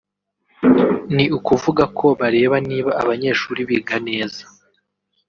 ni ukuvuga ko bareba niba abanyeshuri biga neza